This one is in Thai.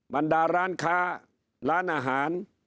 บรรดาร้านค้าร้านอาหาร